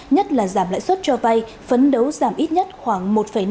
nhất là giảm lãi suất cho vay phấn đấu giảm ít nhất khoảng một năm